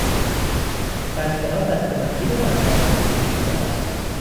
بستهها دستهبندی و برچسب نویسی شده است.